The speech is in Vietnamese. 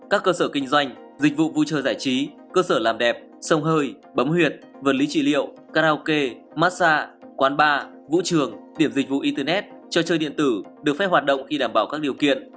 các cơ sở kinh doanh dịch vụ vui chơi giải trí cơ sở làm đẹp sông hơi bấm huyệt vật lý trị liệu karaoke massage quán bar vũ trường điểm dịch vụ internet trò chơi điện tử được phép hoạt động khi đảm bảo các điều kiện